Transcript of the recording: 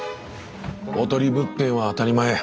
おとり物件は当たり前。